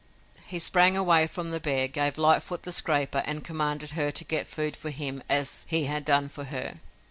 He sprang away from the bear, gave Lightfoot the scraper and commanded her to get food for him as he had done for her.